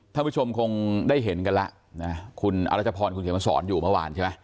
ท่านผู้ชมคงได้เห็นกันแล้วนะคุณอรัชพรคุณเขียนมาสอนอยู่เมื่อวานใช่ไหม